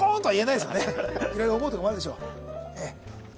いろいろ思うとこもあるでしょう